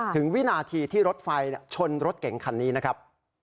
วินาทีที่รถไฟชนรถเก่งคันนี้นะครับ